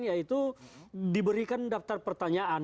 yaitu diberikan daftar pertanyaan